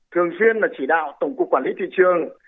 thường xuyên là chỉ đạo tổng cục quản lý thị trường